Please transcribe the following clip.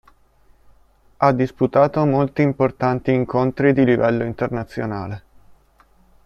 Ha disputato molti importanti incontri di livello internazionale.